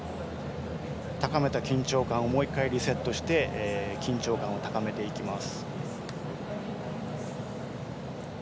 高めた緊張感をもう１回リセットして緊張感を高めていきます。